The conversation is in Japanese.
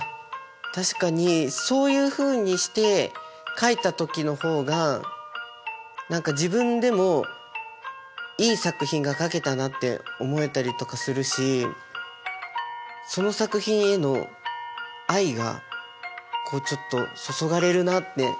確かにそういうふうにして描いた時の方が自分でもいい作品が描けたなって思えたりとかするしその作品への愛がこうちょっと注がれるなって。